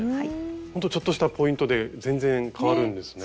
ほんとちょっとしたポイントで全然変わるんですね。ね！